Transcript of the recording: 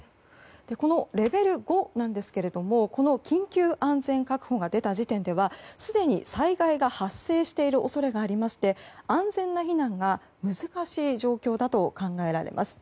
このレベル５ですが緊急安全確保が出た時点ではすでに災害が発生している恐れがありまして安全な避難が難しい状況だと考えられます。